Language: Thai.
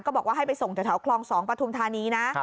บอกว่าให้ไปส่งแถวคลอง๒ปฐุมธานีนะ